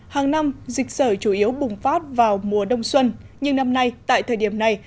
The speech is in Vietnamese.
hàng năm dịch sở chủ yếu bùng phát vào mùa đông xuân nhưng năm nay tại thời điểm này